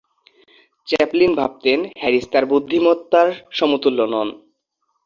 Chaplin ভাবতেন Harris তার বুদ্ধিমত্তার সমতুল্য নন।